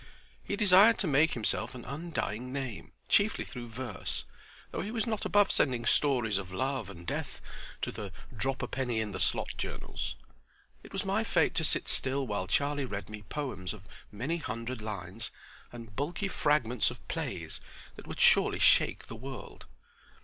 He desired to make himself an undying name chiefly through verse, though he was not above sending stories of love and death to the drop a penny in the slot journals. It was my fate to sit still while Charlie read me poems of many hundred lines, and bulky fragments of plays that would surely shake the world.